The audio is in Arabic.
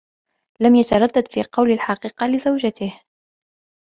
لم يتردد في قول الحقيقة لزوجته.